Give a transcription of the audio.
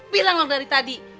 bilang loh dari tadi